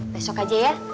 besok aja ya